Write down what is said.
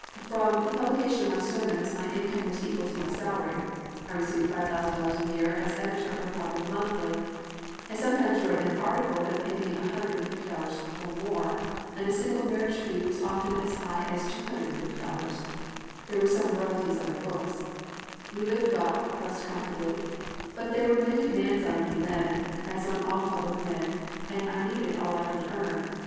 From the publication of my sermons my income was equal to my salary. I received $5,000 a year as editor of a popular monthly; I sometimes wrote an article that paid me $150 or more, and a single marriage fee was often as high as $250. There were some royalties on my books. We lived well, dressed comfortably; but there were many demands on me then, as on all public men, and I needed all I could earn.